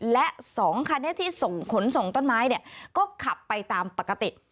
และ๒คันนี้ที่ส่งขนส่งต้นไม้เนี่ยก็ขับไปตามปกติ